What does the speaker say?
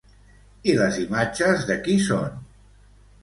I les imatges de qui són?